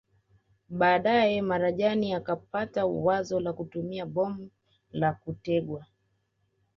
Baadae Marajani akapata wazo la kutumia bomu la kutegwa